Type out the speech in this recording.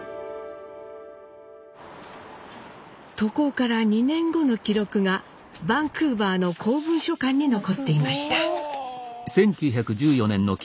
渡航から２年後の記録がバンクーバーの公文書館に残っていました。